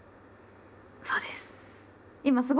そうです。